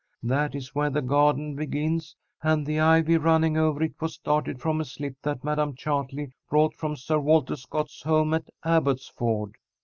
That is where the garden begins, and the ivy running over it was started from a slip that Madam Chartley brought from Sir Walter Scott's home at Abbotsford.